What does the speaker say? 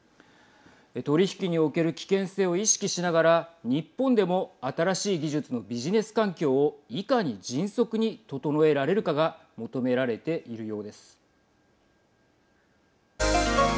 取り引きにおける危険性を意識しながら日本でも新しい技術のビジネス環境をいかに迅速に整えられるかが求められているようです。